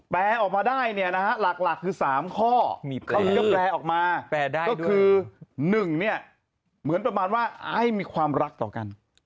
ออกมาได้เนี่ยนะฮะหลักคือ๓ข้อนี้ก็แปลออกมาก็คือ๑เนี่ยเหมือนประมาณว่าให้มีความรักต่อกัน